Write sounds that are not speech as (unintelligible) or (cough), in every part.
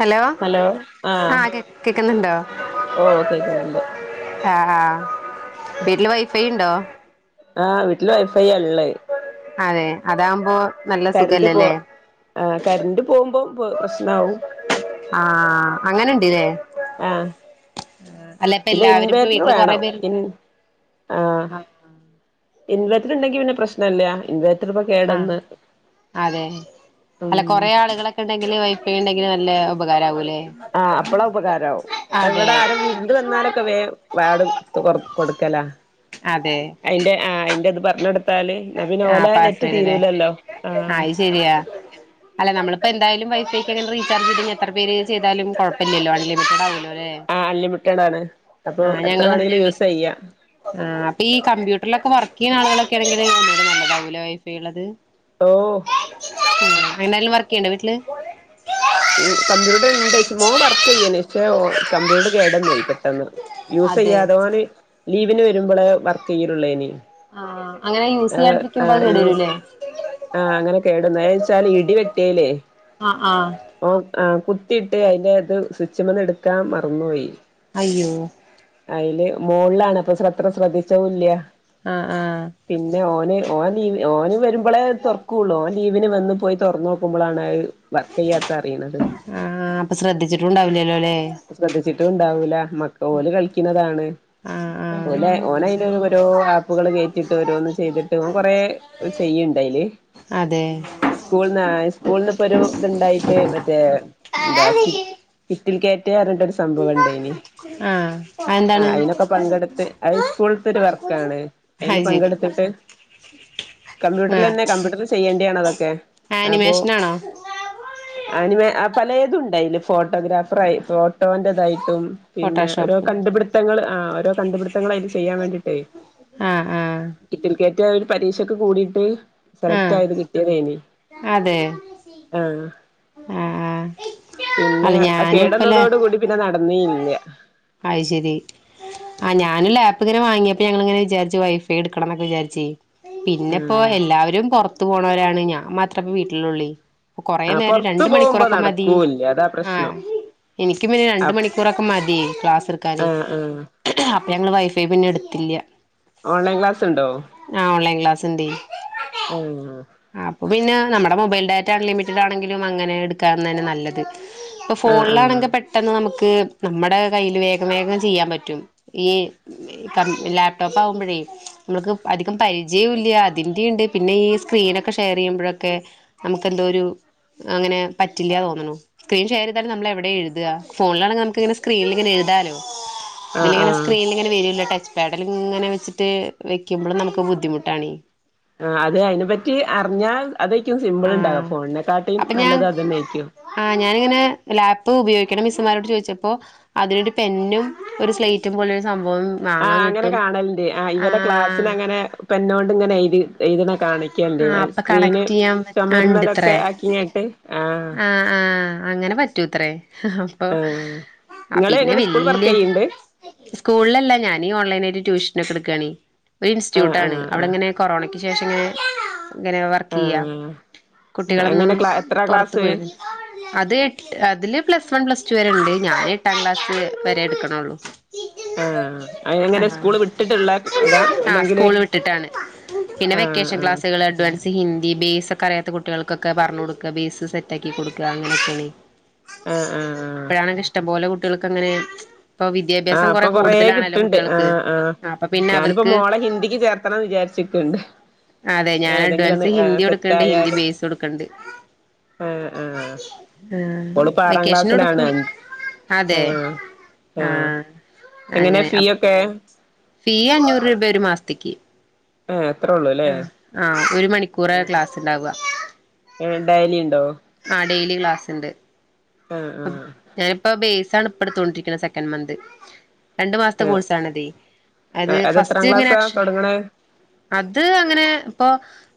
Hello, ആഹ് കേ കേക്കുന്നുണ്ടോ? ഓ കേക്കുന്നുണ്ട് ആഹ് ആഹ് വീട്ടില് വൈഫൈ ഇണ്ടോ? ആഹ് വീട്ടില് വൈഫൈയാ ഇള്ളേ. അതെ അതാവുമ്പോ കരന്റ് പോ ആഹ് കരന്റ് പോവുമ്പോം പ് പ്രശ്നാവും. ആഹ് അങ്ങനെണ്ട് ലേ. ആഹ് അല്ല ഇപ്പ പിന്നെ എല്ലാവരും ഇപ്പ ഇൻവേർട്ടർ വീട്ടില് കൊറെ വേണം പേർ ഇൻ ആഹ്. ഇൻവെർറ്റർ ഇണ്ടെങ്കി പിന്നെ പ്രശ്നെല്ല. ഇൻവെ ആഹ്. അതെ. ഉം അല്ല കൊറെ ആളുകളൊക്കെ ഇണ്ടെങ്കില് വൈഫൈ ഇണ്ടെങ്കില് നല്ല ഉപകാരാവുംലേ. ആഹ് അപ്പളാ ഉപകാരാവും. ഇവടെ ആരം വിരുന്ന് വന്നാലൊക്കെ വേം വാട് തൊ കൊടുക്കലാ. അതെ. അയ്ന്റെ ആഹ് അയ്ന്റെ ഇത് പറഞ്ഞൊടുത്താല് ന്നാ പിന്നെ ഓലെ നെറ്റ് തീരൂലല്ലോ. ആഹ് ആയ്ശെരിയാ. അല്ല നമ്മളിപ്പോ എന്തായാലും വൈഫൈക്കങ്ങനെ റീചാർജ് ചെയ്തെയ്ഞ്ഞാ എത്രപേര് ചെയ്താലും കൊഴപ്പല്ല്യല്ലോ അൺലിമിറ്റഡ് ആവോല്ലോ ല്ലേ. ആഹ് അൺലിമിറ്റടാണ്. അപ്പൊ എത്ര വേണേലും യൂസെയ്യാ. ആഹ് അപ്പൊ ഈ കമ്പ്യൂട്ടറിലൊക്കെ വർക്ക് ചെയ്യ്ണ ആളുകളൊക്കേണെങ്കില് ഒന്നൂടെ നല്ലതാവുംലെ വൈഫൈ ഉള്ളത്. ഓഹ് ഉം പിന്നാരേലും വർക്ക് ചെയ്യ്ണ്ടോ വീട്ടില് ഉം കമ്പ്യൂട്ടർ ഇണ്ട് പക്ഷെ മോൻ വർക്കെയ്തീന്ന് കമ്പ്യൂട്ടർ കേടന്നൊയ് പെട്ടെന്ന് യൂസ് അതെ ചെയ്യാതോന് ലീവിന് വരുമ്പൊളേ വർക്ക് ചെയ്യലൊള്ളെയ്നി ആഹ് അങ്ങനെ യൂസ് ചെയ്യാണ്ടിരിക്കുമ്പോ അത് യൂസ് കേടരുംല്ലേ ആഹ് അങ്ങനെ കേടന്നു അത് വച്ചാല് ഇടി വെട്ടിയെയിലെ ആ ഹ ആഹ് ഓ അഹ കുത്തിയിട്ട് അതിന്റെ ഇത് സ്വിച്ച്മന്ന് എടുക്കാ മറന്നുപോയി അയ്യോ അയില് മോൾലാണ് അപ്പൊ അത്ര ശ്രദ്ധിച്ചതുല്ല ആഹ ആഹ് പിന്നെ ഓന് ഓൻ ലീവ്ഓന് വരുമ്പോളേ തുറക്കുള്ളു ഓൻ ലീവിന് വന്ന് പോയി തുറന്ന് നോക്കുമ്പോളാണത് വർക്കയ്യാത്ത ആഹ അപ്പൊ ശ്രദ്ധിച്ചിട്ടുംണ്ടാവില്ല ലെ. ശ്രദ്ധിച്ചിട്ടും ഇണ്ടാവൂല മക്ക ഓല് കളിക്കിണതാണ്.. ആ ആ ഓല്ലെ ഓന് അതില് ഓരോ ആപ്പുകൾ കയറ്റിട്ട് ഓരോന്ന് ചെയ്തിട്ട് ഓൻ കൊറെ. ചെയ്യുണ്ടായില് അതെ സ്കൂൾന്ന് അഹ സ്കൂളന്ന് ഇപ്പൊ ഒരു ഇത്ണ്ടായി മറ്റേ എന്താ കി കിറ്റിൽ കയറ്റ അറിഞ്ഞിട്ടരു സംഭവം ഇണ്ട ഇനി. ആ ആഹ അതെന്താണ് അയിതിനൊക്കെ പങ്കെടുത്ത് അത് സ്കൂളത്തെ ഒരു വർക്കാണ് അതിന് അത് ശരി പങ്കെടുത്തിട്ട്. ആ കമ്പ്യൂട്ടറിൽ തന്നെ കമ്പ്യൂട്ടറിൽ ചെയ്യേണ്ടിയാണ് അതൊക്കെ അപ്പൊ. ആനിമേഷനാണോ അനി വേ പലതുണ്ടായില് ഫോട്ടോഗ്രാഫർ ആയി. ഫോ കട്ടറതായിട്ടും പിന്നെ ഓരോ ഫോട്ടോഷോപ്പ് കണ്ടുപിടുത്തങ്ങൾ ആഹ ഓരോ കണ്ട്പിത. ങ്ങളെ യിട്ട് ചെയ്യാൻ വേണ്ടിട്ട് ആ ആ കിറ്റിൽ കറ്റ് ഒരു പരീക്ഷക്കൊക്കെ കൂടിയിട്ട്. ആ സെലക്ട് ആയിട്ട് കിട്ടിയതേനി ആഹ്. ആഹ ആഹ പിന്നെ കേടന്നതോട് കൂടി പിന്നെ നടന്നേ ഇല്ല. അയി ശരി. ആഹ ഞാനും ലാപ് ഇങ്ങനെ വാങ്ങിയപ്പോ ഞങ്ങൾങ്ങനെ വിചാരിച്ചു വൈഫൈ എടുക്കണം എന്നൊക്കെ വിചാരിച്ചേ. പിന്നെപ്പോ ആഹ് എല്ലാവരും പുറത്തു പോണവരാണ് ഞാൻ മാത്രപ്പ വീട്ടിനുള്ളി. കൊറേ ആ നേരം പൊറത്ത് രണ്ട് പോകുമ്പോ മണിക്കൂറൊക്കെ മതി നടക്കൂല്ല അതാ ആഹ്. പ്രശ്നം എനിക് പിന്നെ രണ്ട് അപ് മണിക്കൂറൊക്കെ മതി ക്ലാസ് എടുക്കാന്. ആഹ് ആഹ് അപ്പൊ ഞങ്ങള് വൈഫൈ പിന്നെ എടുത്തില്ല. ഓൺലൈൻ ക്ലാസ് ഉണ്ടോ. ആഹ ഓൺലൈൻ ക്ലാസ്ണ്ടയ്. ആഹ അപ്പൊ പിന്നെ നമ്മുടെ മൊബൈൽ ഡാറ്റ അൺലിമിറ്റഡ് ആണെങ്കിലും അങ്ങനെ എടുക്കാന്നതന്നെ നല്ലത്. ഇപ്പൊ ആഹ് ആഹ് ഫോണിലാണെങ്കി പെട്ടെന്ന് നമുക്ക് നമ്മുടെ. കയ്യിൽ വേഗം വേഗം ചെയ്യാൻ പറ്റും ഈ ലാപ്ടോപ്പ് ആകുമ്പോഴേ. നമ്മുക്ക് അധികം പരിചയല്ല അതിന്റെണ്ട് പിന്നെ ഈ സ്ക്രീനൊക്കെ ഷെയർ ചെയ്യുമ്പോഴൊക്കെ. നമുക്ക് എന്തോ ഒരു. അങ്ങനെ പറ്റില്ലാ തോന്നണോ സ്ക്രീൻ ഷെയർ ചെയതാല് നമ്മളവിടെ എഴുത ഫോണിലണെങ്കിൽ നമുക്ക്ങ്ങനെ സ്ക്രീനില്. എഴുതാലോ ആഹ് ആഹ് ഇതില്ങ്ങനെ ആഹ് സ്ക്രീനിൽ ഇങ്ങനെ വരുല്ലോ ടച്ച്. പെടലി ഇങ്ങനെ വെച്ചിട്ട് വെക്കുമ്പോഴും നമുക്ക് ബുദ്ധിമുട്ടാണ്. ആഹ അത് അതിനെ പറ്റി അറിഞ്ഞാൽ അതായിരിക്കും സിംമ്പിൾ ഉണ്ടാക ആഹ് ഫോണിനെക്കാട്ടും അപ്പൊ ഞാൻ നല്ലത് അതന്നെ ആയിരിക്കും. ആഹ് ഞാനിങ്ങനെ ലാപ്പ് ഉപയോഗിക്കണ മിസ്സുമാരോട് ചോദിച്ചപ്പോ.. അതിനൊരു പെന്നും ഒരു സ്ലേറ്റും പോലൊരു സംഭവും ആഹ് അങ്ങനെ കാണല്ണ്ട് ആഹ് ഇവലെ ക്ലാസ്സിലങ്ങനെ പെന്നോണ്ട് ങ്ങനെഴ്തി എയ്ത്ണെ കാണിക്കല്ണ്ട് ആഹ് അയ്ൻ്റെ അപ്പൊ സ്ക്രീന് കണക്ട് ചെയ്യാൻ പ ചൊമര്മ്മലൊക്കെ ഉണ്ടത്രേ ആക്കിങ്ങായിട്ട് ആഹ് ആഹ് അങ്ങനെ പറ്റൂത്രേ അപ്പൊ ആഹ് ആഹ് ഇങ്ങള് പിന്നെ എങ്ങനെ സ്കൂൾ വെല്യ. വർക്കെയ്യ്ണ്ട് സ്കൂളിലല്ല ഞാനീ ഓൺലൈനായിട്ട് ട്യൂഷനൊക്കെട്ക്കണ് ഒരു ആഹ് ഇൻസ്റ്റ്യൂട്ടാണ് ആഹ് ആഹ് അവടെങ്ങനെ കൊറോണ ക്ക് ശേഷങ്ങനെ ഇങ്ങനെ വ ആഹ് എങ്ങനെ ക്ലാ എത്ര പുറത്ത് ക്ലാസ്? പോയിരുന്നു അത് എട്ട് അതില് പ്ലസ് വൺ പ്ലസ് ടു വരെ ണ്ട് ഞാനെട്ടാം ക്ലാസ് വെരെ ട്ക്ക്ണൊള്ളൂ. ആഹ് എങ്ങനെ ആഹ് സ്കൂള് വിട്ടിട്ട്ള്ള അതാ ആഹ് അല്ലെങ്കില് സ്കൂള് വിട്ട്ട്ടാണ്. പിന്നെ ആഹ് വെക്കേഷൻ ആഹ് ക്ലാസ്. ട്ട്യളഅഡ്വാൻസ് ഹിന്ദി ബേയ്‌സൊക്കറ്യാത്ത കുട്ട്യൾക്കൊക്കെ പർഞ്ഞൊട്ക്കാ ബെയ്സ് സെറ്റാക്കി കൊട്ക്ക അങ്ങനെക്കെണെ. ആഹ് ആഹ് ആഹ് ഇപ്പഴാണങ്കി ഇഷ്ടം പോലെ കുട്ട്യെൾക്കങ്ങനെ ആഹ് ഇപ്പം കൊറേ കിട്ട്ണ്ട് ആഹ് ആഹ് അപ്പൊ പിന്നെ ഞാനിപ്പോ അവർക്ക് മോളെ ഹിന്ദിക്ക് ചേർ ത്തണം വിചാര്ച്ച്ക്ക്ണ്ട്. അതെ ഞാനഡ്വാൻസ് ഹിന്ദി ട്ക്ക്ണ്ട് ഹിന്ദി സെറ്റായാല് ബെയ്‌സു ട്ക്ക്ണ്ട്. ആഹ് ആഹ് ആഹ് ഓളിപ്പോ ആറാം ക്ലാസ്സിലാണ് വെക്കേഷനുട്ക്കും. അതെ ആഹ് ആഹ്. എങ്ങനെ അങ്ങനെ ഫീ അപ് ഒക്കെ? ഫീ അഞ്ഞൂറ് രൂപ ഒരു മാസത്തേക്ക്. ആഹ് അത്രൊള്ളൂല്ലേ ആഹ് ആഹ് ഒരു മണിക്കൂറാ ആഹ് ക്ലാസ് ഉണ്ടാവുക ഏഹ് ഡൈലിണ്ടോ? ആഹ് ഡെയിലി ക്ലാസ്ണ്ട്. ആഹ് ആഹ് ഞാനിപ്പോ ബെയ്സാണ് ഇപ്പട്ത്തോണ്ടിര്ക്ക്ണ സെക്കൻ മന്ത് രണ്ട് മാസത്തെ കോഴ്സാണത് അത് ആഹ് അതെത്രാം ഫസ്റ്റ്ങ്ങനെ ക്ലാസ്സാ അക്ഷ് തൊടങ്ങണേ അത് അങ്ങനെ പ്പൊ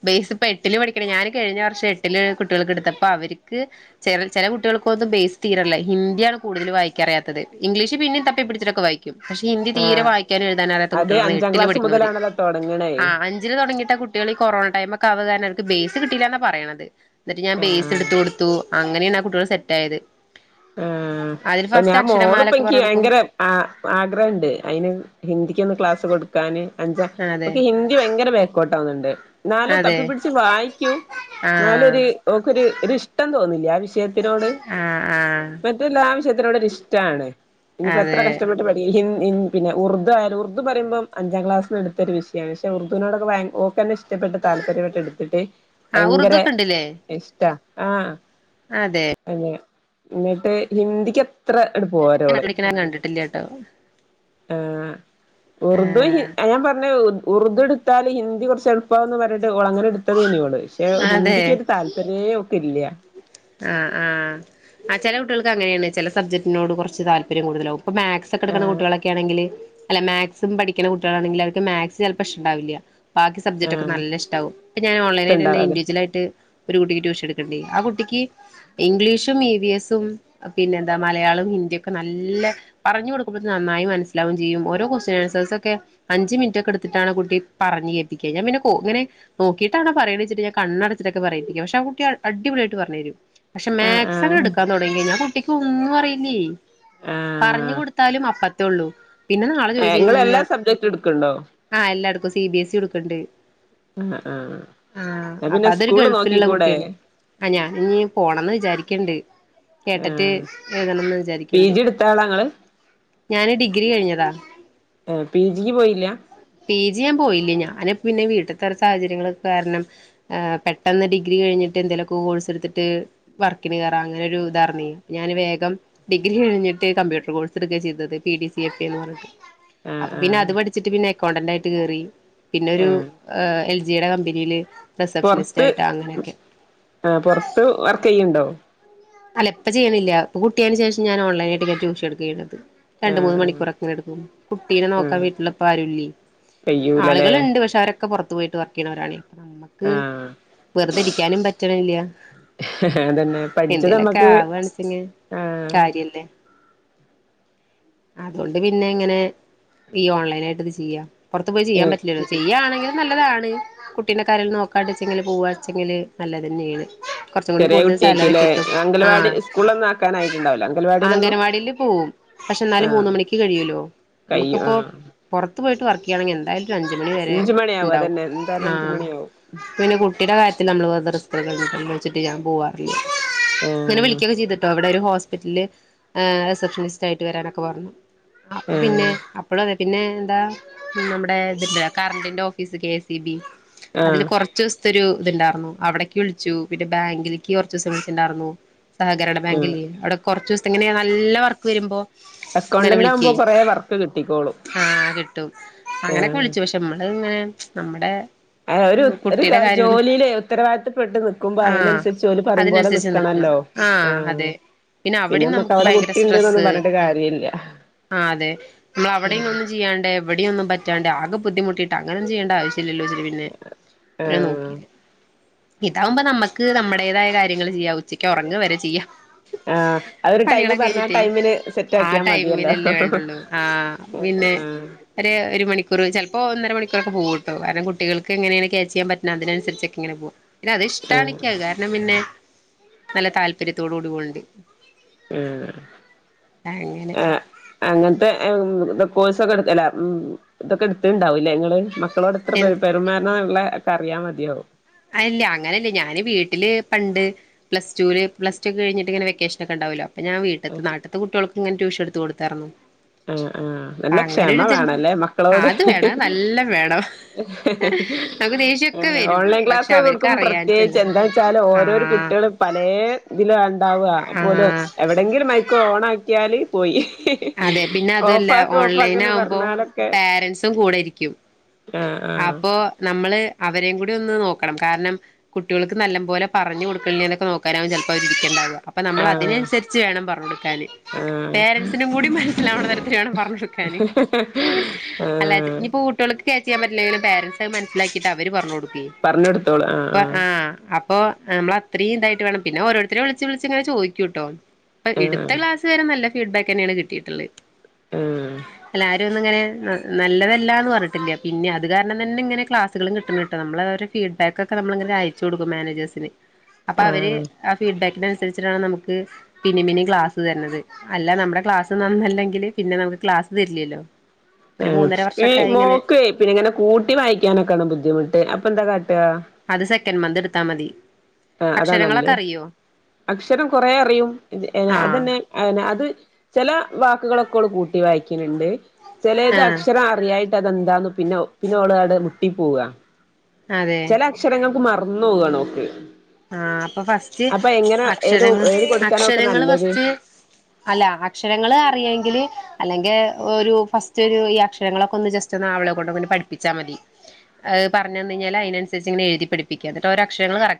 ബേസ് പ്പെട്ടില് പഠിക്കണ ഞാന് കഴിഞ്ഞ വർഷ എട്ടില് കുട്ട്യെൾക്ക് ട്ത്തപ്പൊ അവര്ക്ക് ചെല ചെല കുട്ട്യെൾക്കൊന്നും ബേയ്സ് തീരല്ല ഹിന്ദ്യാണ് കൂടുതല് വായിക്ക്യാറിയാതത് ഇംഗ്ലീഷ് പിന്നിം തപ്പിപിടിച്ച്ട്ടൊക്കെ വായി ക്ക്യും പക്ഷെ ഹിന്ദി തീരെ ആഹ് വായിക്കാനും എഴുതാനും അറിയാത്ത അത് കുട്ടികളാണ് അഞ്ചാം എട്ടില് ക്ലാസ് പഠിക്ക്ണോര് മുതലാണല്ലോ തൊടങ്ങണേ ആഹ് അൻ ജില് തൊടങ്ങിട്ട കുട്ട്യെള് ഈ കൊറോണ ടൈം മൊക്കാവാ കാരണ ഓൽക്ക് ബേയ്സ് കിട്ടിലാന്ന പറയണത്. ന്നട്ട് ഞാൻ ആഹ് ബേസ്ട്ത്തൊട്ത്തു അങ്ങനെണ് ആ കുട്ട്യെള് സെറ്റായത്. ആഹ് ഇപ്പ ഞാൻ മോള്പ്പോ അക്ഷരമാലൊക്കെ ഇൻക്കി പറഞ്ഞു കൊടുക്കും വയങ്കര ആഹ് ആഗ്രഹണ്ട് അയ്ന് ഹിന്ദിക്കൊന്ന് ക്ലാസ്സ് കൊട്ക്കാന് അഞ്ച അതെ ഓക്ക് ഹിന്ദി വയങ്കര ബേക്കോട്ടാ ന്ന്ണ്ട് ന്നാലും അതെ തപ്പി പിടിച്ച് വായിക്ക്യും. ആഹ് ന്നാലൊര് ഓക്കൊര് ഒരിഷ്ടം തോന്നില്ല്യാ ആ വിഷയത്തിനോട് ആഹ് ആഹ് മറ്റെല്ലാ വിഷയത്തിനോടൊരിഷ്ടാണ് ഇനിയിപ്പോ എത്ര അതെ കഷ്ടപ്പെട്ട് പഠി ഇ ഹിൻ ഇൻ പിന്നെ ഉറുദ്വായാലും ഉർദു പറിമ്പം അഞ്ചാം ക്ലാസ്ന്ന്ട്ത്തൊരു വിഷയാണ് പക്ഷേ ഉറുദൂനോടൊക്കെ വയൻ ഓക്കെന്നിഷ് ടപ്പെട്ട് താല്പര്യപ്പെട്ടെട്ത്ത്ട്ട് ആ യങ്കര ഉറുദൊക്കെ ഇണ്ടില്ലേ ഇഷ്ടാ ആഹ് അതെ അതെ ന്നട്ട് ഹിന്ദിക്കത്ര അണ്ട് ഞാൻ പോരോള്. പഠിക്കണ കണ്ടിട്ടില്ലട്ടോ ആഹ് ആ ഉറുദു ഹി ഞാം പർഞ്ഞേ ഉ ഉറുദു ട്ത്താല് ഹിന്ദി കൊർചെള്പ്പാവുന്ന് പർഞ്ഞ്ട്ട് ഓളങ്ങ നെട്ത്തതെന്യോള് പക്ഷെ അതെ ഹിന്ദിക്കൊര് താല് ത്രേ ഓക്ക്‌ല്യാ ആഹ് ആഹ് ആ ചെല കുട്ടികൾക്ക് അങ്ങനെയാണ് ചെല സബ്ജക്ടിനോട് കൊറച്ച് താല്പര്യം കൂടുതലാവും ഇപ്പം മാത്സ് ക്കെടുക്കണ ആഹ് കുട്ടികളൊക്കാണെങ്കില് അല്ലെ മാത് സും പഠിക്കണ കുട്ടികളാണെങ്കിൽ അവർക്ക് മാത് സ് ചിലപ്പോ ഇഷ്ട്ടണ്ടാവില്ല ബാക്കി സബ്ജക്റ്റൊക്കെ ആഹ് നല്ലഷ്ട്ടാവും ഇപ്പോ ഞാൻ ഓൺലൈനായിട്ടന്നെ ഇഷ്ടണ്ടാവാതെ ഇൻഡിവിജലായിട്ട് ഒരു കുട്ടിക്ക് ട്യൂഷൻ എടുക്ക്‌ണ്ടേ ആ കുട്ടിക്ക് ഇംഗ്ലീഷും ഇ വി എസും പിന്നെന്താ മലയാളവും ഹിന്ദിക്കെ നല്ല പറഞ്ഞു കൊടുക്കുമ്പത്തിന് നന്നായി മനസ്സിലാവും ചെയ്യും ഓരോ ക്വസ്റ്റ്യൻ ആൻസേഴ്സൊക്കെ അഞ്ച് മിനിറ്റൊക്കെടുത്തിട്ടാണ് ആ കുട്ടി പറഞ്ഞ് കേൾപ്പിക്ക ഞാൻ പിന്നെ ഇങ്ങനെ നോക്കിട്ടാണോ പറയണെ വെച്ചിട്ട് ഞാൻ കണ്ണടച്ചിട്ടൊക്കെ പറയിപ്പിക്കും പക്ഷെ ആ കുട്ടി അടിപൊളിയായിട്ട് പറഞ്ഞരും പക്ഷെ ആഹ് മാത് സണ് ആഹ് എടുക്കാൻ തുടങ്ങി ആ കുട്ടിക്ക് ഒന്നും അറിയില്ലെയ് പറഞ്ഞു ആഹ് കൊടുത്താലും അപ്പത്തേള്ളൂ പിന്നെ നാളെ ഏഹ് ചോയ്ച്ചു കഴിഞ്ഞു ഇങ്ങള് എല്ലാ കഴിഞ്ഞാ സബ്ജക്റ്റും എടുക്ക്ണ്ടോ? ആഹ് എല്ലാടക്കും സി ബി എസ് ഇ എടുക്കുണ്ട് ആഹ് ആഹ് ആഹ് ന്നാ പിന്നെ അപ്പതൊരു സ്കൂളില് ഗൾഫിലുള്ള നോക്കിക്കൂടെ? കുട്ടിയാണ് ആഹ് ഞാൻ ഇഞി പോണംന്ന് വിചാരിക്ക്ണ്ട് കേട്ടറ്റ് ആഹ് എഴുതണംന്ന് പി വിചാരിക്ക്ണ്ട് ജി എടുത്ത ആളാ ഇങ്ങള്? ഞാന് ഡിഗ്രി കഴിഞ്ഞതാ ഏഹ് പി ജിക്ക് പോയില്ല പി ജി ഞാൻ പോയില്ലാ ഞാന് പിന്നെ വീട്ടിത്തെ ഒരോ സാഹചര്യങ്ങൾ ഒക്കെ കാരണം ഏഹ് പെട്ടെന്ന് ഡിഗ്രി കഴിഞ്ഞിട്ട് എന്തേലൊക്കെ കോഴ്സ്ടുത്തിട്ട് വർക്കിന് കേറാം അങ്ങനെരു ഇതാർന്നേ അപ്പൊ ഞാന് വേഗം ഡിഗ്രി കഴിഞ്ഞിട്ട് കമ്പ്യൂട്ടർ കോഴ്സ്ടുക്ക ചെയ്തത് P D C F A എന്ന് പറഞ്ഞിട്ട് ആഹ് അപ്പൊ പിന്നെ ആഹ് അത് പഠിച്ചിട്ട് പിന്നെ അക്കൗണ്ടന്റായിട്ട് കേറി പിന്നെ ഒരു ആഹ് എൽ ജിയുടെ കമ്പനിയില് റിസപ്ഷനിസ്റ്റ് പൊർത്ത് ആയിട്ട് അങ്ങനെയൊക്കെ ആ പൊറത്ത് വർക്ക് ചെയ്യ്ണ്ടോ? അല്ല ഇപ്പ ചെയ്യണില്ല ഇപ്പ കുട്ടി ആയേനു ശേഷം ഞാൻ ഓൺലൈനായിട്ടൊക്കെ ട്യൂഷൻ എടുക്കാ ചെയ്യണത് രണ്ട് മൂന്ന് ആഹ് മണിക്കൂറൊക്കങ്ങനെ ഇടുക്കും കുട്ടീനെ ആഹ് നോക്കാൻ ആഹ് വീട്ടിലിപ്പാരുല്ലെയ് കയ്യൂലല്ലേ ആളുകള്ണ്ട് പക്ഷെ അവരൊ ക്കെ പൊറത്തു പോയിട്ട് വർക്ക് ചെയ്യണവരാണയ് അപ്പൊ നമ്മക്ക് ആഹ് വെറുതെ ഇരിക്കാനും പറ്റണില്യാ അതന്നെ പഠിച്ചത് എന്തേലൊക്കെ നമ്മക്ക് ആവാണ് നിച്ചെങ്കി ആഹ് കാര്യല്ലേ അതോണ്ട് പിന്നെങ്ങനെ ഈ ഓൺലൈനായിട്ട് ഇത് ചെയ്യാ പൊർത്ത് പോയി ചെയ്യാൻ ഏഹ് പറ്റില്ലല്ലോ ചെയ്യാണെങ്കിലും നല്ലതാണ് കുട്ടീനെക്കെ ആരേലും നോക്കാണ്ട്ച്ചെങ്കിൽ പൊവാച്ചെങ്കില് നല്ലതന്നേണ് കൊർച്ചും കൂടി ചെറിയ കൂടുതൽ സാലറി കുട്ടിയായിരിക്കുംല്ലേ കിട്ടും അംഗൽവാടി ആഹ് സ്കൂളിലൊന്നും ആക്കാനായിട്ടുണ്ടാവൂല അംഗൽവാടിയിലൊന്നും അംഗനവാടില് പോവും. പക്ഷെ ന്നാലും മൂന്ന് ആഹ് മണിക്ക് കഴിയൂലോ കയ്യും നമുക്ക്പ്പോ ആഹ് പൊർത്ത് പോയിട്ട് വർക്കെയ്യാണെങ്കി എന്തായാലും ഒരഞ്ച് മണിവരെ അഞ്ച് മണിയാവും ഇണ്ടാവും അതന്നെ എന്തായാലും അഞ്ച് ആഹ് മണിയാവും പിന്നെ കുട്ടിയുടെ കാര്യത്തിൽ നമ്മള് വെർതെ റിസ്കെടുക്കണ്ടല്ലോച്ട്ട് ഞാൻ പോവാ (unintelligible) പിന്നെ ആഹ് വിളിക്കൊക്കെ ചെയ്ത്ട്ടോ ഇവടെ ഒരു ഹോസ്പിറ്റല് ആഹ് റിസെപ്ഷനിസ്റ്റ് ആയി ട്ട് വരാനൊക്കെ പറഞ്ഞു അപ്പൊ പിന്നെ ആഹ് അപ്പ് പ്പളും അതെ പിന്നെ എന്താ നമ്മുടെ ഇതിണ്ടല്ലോ കറന്റിന്റെ office K S E B ആഹ് അതില് കൊറ ച്ചൂസ്ത്തൊരു ഇത്ണ്ടാർന്നു അവടക്ക് വിളിച്ചു പിന്നെ ബാങ്കിൽക്ക് കൊറച്ചൂസം വിളിച്ച്ണ്ടാർന്നു സഹകരണ ആഹ് ബാങ്കില്ലെ അവടെ കൊറച്ചൂസത്തെ ഇങ്ങനെ നല്ല വർക്ക് വരുമ്പോ ഇങ്ങനെ അക്കൗണ്ടന്റ് ആകുമ്പോ വിളിക്കയ് കൊറേ വർക്ക് കിട്ടിക്കോളും ആഹ് കിട്ടും അങ്ങനൊക്കെ ആഹ് വിളിച്ചു പക്ഷെ നമ്മള് ഇങ്ങനെ നമ്മ്ടെ ആഹ് ഒരു ഒരു ജോലിയിലെ ഉത്തരവാദിത്തപ്പെട്ട് നിക്കുമ്പോ ആഹ് അയിനൻസരിച്ച് ഓല് പറയുംമ്പോലെ അതിനനുസരിച്ച് നിക്കണം നിക്കണല്ലോ. ആഹ് അതെ പിന്നെ അവടിം നമ്മക്ക് നമുക്ക് അവിടെ ഭയങ്കര കുട്ടിണ്ട്ന്നൊന്നും സ്ട്രെസ്സ് പറഞ്ഞിട്ട് കാര്യല്ല ആഹ് അതെ മ്മള അവടിം ആഹ് വന്ന് ചെയ്യാണ്ടെ ഇവിടിയൊന്നും പറ്റാണ്ടെ ആകെ ബുദ്ധിമുട്ടീട്ട് അങ്ങനെ ചെയേണ്ട ആവശ്യല്ലല്ലോ ച് പിന്നെ പിന്നെ ആഹ് നോകീല ഇതാവുമ്പോ ന്നമ്മക്ക് നമ്മടേതായ കാര്യങ്ങള് ചെയ്യാ ഉച്ചയ്ക്ക് ഉറങ്ങ വരെ ചെയ്യാം ആഹ് അ ഒരു ടൈം പണികളൊക്കെ പറഞ്ഞ കഴിഞ്ഞിട്ടേ ടൈമിന് സെറ്റ് ആ ആക്കിയാ മതിയല്ലോ ടൈമിലല്ലേ വേണ്ടുള്ളൂ ആഹ് പിന്നെ ആഹ് ഒര് ഒരു മണിക്കൂർ ചെൽപ്പോ ഒന്നരമണിക്കൂറൊക്കെ പോകൂട്ടൊ കാരണം കുട്ടികൾക്ക് എങ്ങനെങ്ങനെണ് ക്യാച്ചയ്യാൻ പറ്റണ് അതിനനുസരിച്ചൊക്കങ്ങനെ പോവ പിന്നെ അത് ആഹ് ഇഷ്ടാണിക് അഹ് കാരണം പിന്നെ നല്ല താല്പര്യത്തോടുകൂടി പോണണ്ട് ആഹ് അങ്ങനെ അങ്ങൻത്തെ തൊ കോഴ്സൊക്കെ ഇട് എല്ല ഉം ഇതൊക്കെട്ത്ണ്ടാവുംല്ലേ ഇങ്ങള് ക്കളോട് ഇത്ര പെരു പെരുമാറണുള്ള ഒക്ക അറിയാൽ മതിയാവും അല്ല അങ്ങനെല്ലേ ഞാന് വീട്ടില് പണ്ട് പ്ലസ്റ്റൂല് പ്ലസ്ടു ക്കെ കഴിഞ്ഞിട് ഇങ്ങനെ വെക്കേഷൻ ഒക്കെ ഇണ്ടാവല്ലോ അപ്പ ഞാൻ വീട്ട്ത്തെ നാട്ത്തെ കുട്ട്യോൾകൊക്കെങ്ങനെ ട്യൂഷനെ ട്ത്ത് കൊടുത്താർന്നു ആഹ് ആഹ് നല്ല ക്ഷമ വേണല്ലേ ആ മക്കളോട് അത് ഹ് വേണം നല്ല വേണം ഹ് നമുക്ക് ദേഷ്യൊക്കെ ഹ് വരും ഓൺലൈൻ ക്ലാസ് പക്ഷെ തെ അവർക്ക് കൊടുകുമ്പോ അറിയാഞ്ഞിട്ടല്ല പ്രത്യേച്ച് എന്താ വചാല് ഓരോരൊ ആഹ് കുട്ട്യേള് പലേ ഇതില ഇണ്ടാവ അപോലും ആഹ് എവടെങ്കിലും മൈക്ക് ഓണാക്കിയാല് പോയി അതെ പിന്നെ അതൊല്ല ഓഫാക്ക് ഓഫാക്ക്ന്ന് ഓൺലൈനാവുമ്പോ പറഞ്ഞാലൊക്കെ പാരൻറ്സും കൂടെ ഇരിക്കും ആഹ് അപ്പൊ നമ്മള് അവരേം കൂടി ഒന്ന് നോക്കണം കാരണം കുട്ടിയോൾക്ക് നല്ലം മ്പോലെ പറഞ് കൊടുക്ണില്ലെന്നൊക്കെ നോക്കാനാവും ചെൽപ്പോ അവരിരക്കണ്ടാവ്വാ അപ്പ നമ്മൾ ആഹ് അതിനനുസരിച്ച് വേണം പറഞ്ഞ് കൊടുക്കാന് ആഹ് ആഹ് പേരൻസ് സിനും കൂടി മനസ്സിലാവണ തരത്തിൽ വേണം പറഞ്ഞൊടുക്കാന് അല്ലാണ്ട് ആഹ് ഇനിപ്പോ കുട്ടിയോൾക്ക് ക്യാച്ച്യ്യാൻപറ്റില്ലെങ്കിലും പാരൻറ്സ് അഹ് മനസിലാക്കിട്ട് അവര് പറഞ്ഞു കൊടുക്കേയ് ഇപ്പ ആഹ് അപ് പ്പൊ നമ്മള അത്രീം ഇതായിട്ട് വേണം പിന്നെ ഓരോരുത്തരും വിളിച്ച് വിളിച്ച് ഇങ്ങനെ ചോയ്ക്കൂട്ടോ ഇപ്പ ഇടുത്ത ആഹ് ക്ലാസ് ഇതുവരെ നല്ല ഫീഡ്ബാക്ക് തന്നെയാണ് കിട്ടിയിട്ടുള്ളത് ആഹ് എല്ലാവരും ഒന്ന് ഇങ്ങനെ നല്ലതല്ലാ എന്ന് പറഞ്ഞിട്ടില്ല പിന്നെ അതു കാരണം തന്നെ ഇങ്ങനെ ക്ലാസ്സുകളും കിട്ടുന്നത് കേട്ടോ നമ്മള് ആ ഒരു ഫീഡ്ബാക്ക് ഒക്കെ നമ്മളങ്ങനെ അയച്ച് കൊടുക്കും മാനേജേഴ്സിന് അപ്പൊ ആഹ് അവര് ആഹ് ആ ഫീഡ്ബാക്കിന് രിച്ചാ നമുക്ക് പിന്നേം പിന്നേയും ക്ലാസ് തരണത് അല്ല നമ്മുടെ ക്ലാസ് നന്നല്ലെങ്കിൽ പിന്നെ നമുക്ക് ക്ലാസ് തരില്ലല്ലോ ഒരു ആഹ് മൂന്നര ഈ വർഷൊക്കായി ഇങ്ങനെ മോക്കേ പിന്നെ ഇങ്ങനെ കൂട്ടി വായിക്കാനൊക്കെയാണ് ബുദ്ധിമുട്ട് അപ്പ എന്താ കാട്ടുക അത് സെക്കൻഡ് മന്ത് എടുത്താ മതി ആ അതാ നല്ലേ അക്ഷരങ്ങളൊക്കെ അറിയോ അക്ഷരം കൊറെ അറിയും ഏ ആഹ് അതന്നെ അയനെ അത് ചില വാക്കുകളൊക്കെ ഓള് കൂട്ടി വായിക്കുന്നുണ്ട് ചെലരത് ആഹ് അക്ഷരം അറിയായിട്ട് അതെന്താന്നു പിന്നെ പിന്നെ ഓള് മുട്ടി പോവാ അതെ ചില അക്ഷരങ്ങൾക്ക് മറന്നു പോവാണ് ഓൾക്ക് ആഹ് അപ്പൊ ഫസ്റ്റ് അക്ഷരങ്ങൾ ഏത് കൊടുക്കാനോക്ക് അക്ഷരങ്ങൾ നല്ലത് ഫസ്റ്റ് അല്ല അക്ഷരങ്ങള് അറിയാങ്കിൽ അല്ലെങ്കിൽ ഒരു ഫസ്റ്റ് ഒരു ഈ അക്ഷരങ്ങളൊക്കെ ഒന്ന് ജസ്റ്റ് റ്റ് ഒന്ന് അവളെ കൊണ്ട് അങ്ങനെ പഠിപ്പിച്ചാ മതി പറഞ്ഞ് തന്നെയ്ഞ്ഞാല് അതിനനുസരിച്ച്ങ്ങന എഴുതി പഠിപ്പിക്ക എന്നിട്ട് ഒരോക്ഷരങ്ങള് കറക്റ്റ്